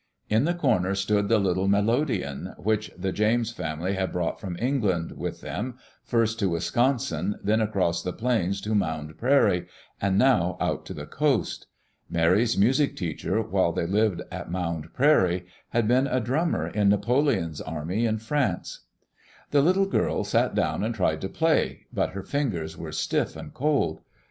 In the corner stood the little melodeon which the James family had brought from England with them, first to Wis consin, then across the plains to Mound Prairie, and now out to the coast. Mary's music teacher, while they lived at Mound Prairie, had been a drummer in Napoleon's army in France. The little girl sat down and tried to play; but her fingers were stiff and cold.